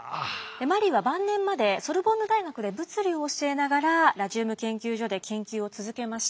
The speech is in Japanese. マリーは晩年までソルボンヌ大学で物理を教えながらラジウム研究所で研究を続けました。